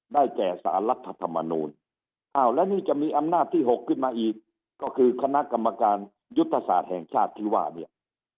แก่สารรัฐธรรมนูลอ้าวและนี่จะมีอำนาจที่๖ขึ้นมาอีกก็คือคณะกรรมการยุทธศาสตร์แห่งชาติที่ว่าเนี่ย